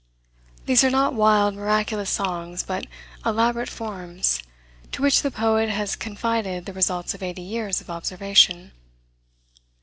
These are not wild miraculous songs, but elaborate forms, to which the poet has confided the results of eighty years of observation.